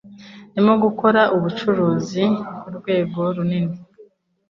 Ndimo gukora ubucuruzi kurwego runini.